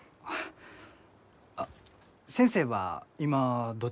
あっ先生は今どちらに？